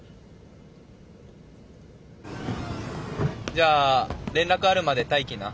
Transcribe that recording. じゃあ連絡あるまで待機な。